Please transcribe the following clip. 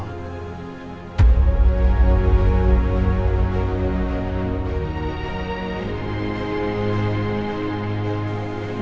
amat jelasin bang